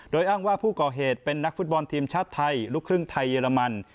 โดยอ้างว่าผู้ก่อเหตุเป็นนักฟุตบอลทีมชาติไทยลูกครึ่งไทยเยอรมัน